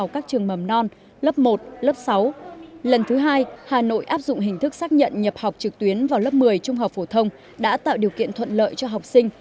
các doanh nghiệp và các người trung học phổ thông đã tạo điều kiện thuận lợi cho học sinh